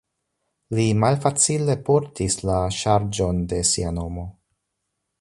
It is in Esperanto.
Li malfacile portis la ŝarĝon de sia nomo.